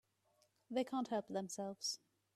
They can't help themselves.